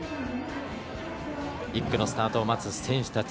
１区のスタートを待つ選手たち。